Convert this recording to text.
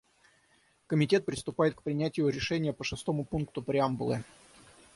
Комитет приступает к принятию решения по шестому пункту преамбулы.